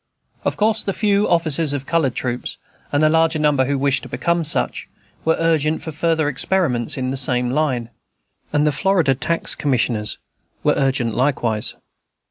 Of course the few officers of colored troops, and a larger number who wished to become such, were urgent for further experiments in the same line; and the Florida tax commissioners were urgent likewise.